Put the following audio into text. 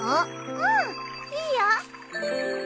うんいいよ。